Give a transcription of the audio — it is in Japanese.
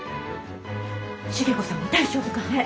重子さんは大丈夫かね。